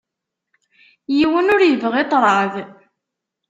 Yiwen ur yebɣi ṭṭraḍ.